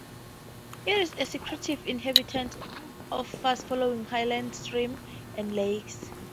It is a secretive inhabitant of fast-flowing highland streams and lakes.